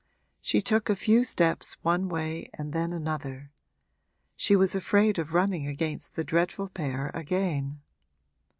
She took a few steps one way and then another: she was afraid of running against the dreadful pair again.